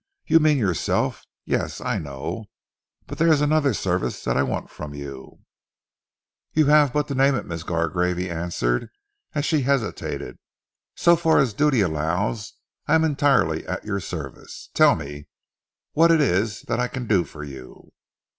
"You mean yourself. Yes! I know, but there is another service that I want from you " "You have but to name it, Miss Gargrave," he answered as she hesitated. "So far as duty allows, I am entirely at your service. Tell me what it is that I can do for you."